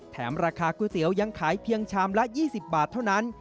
ราคาก๋วยเตี๋ยวยังขายเพียงชามละ๒๐บาทเท่านั้น